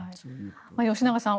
吉永さん